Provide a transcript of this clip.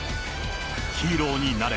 ヒーローになれ。